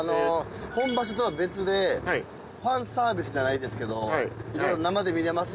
本場所とは別でファンサービスじゃないですけど生で見れます